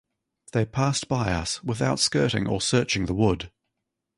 They passed by us, without skirting or searching the wood.